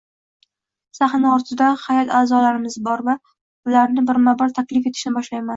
Sahna ortida hay’at a’zolarimiz bor va ularni birma bir taklif etishni boshlayman.